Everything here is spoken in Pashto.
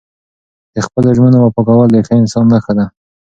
د خپلو ژمنو وفا کول د ښه انسان نښه ده.